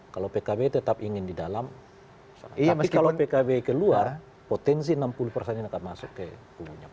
kalau pkb tetap ingin di dalam tapi kalau pkb keluar potensi enam puluh persen ini akan masuk ke kubunya